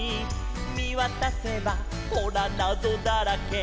「みわたせばほらなぞだらけ」